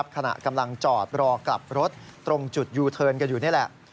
ขณะกำลังจอดรอกลับรถตรงจุดยูเทิร์นกันอยู่นี่แหละ